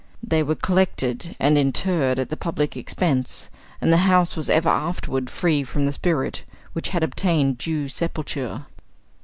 They were collected and interred at the public expense, and the house was ever afterward free from the spirit, which had obtained due sepulture.